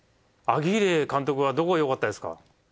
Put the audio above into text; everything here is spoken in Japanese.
アギーレ監督はどこがよかったですか？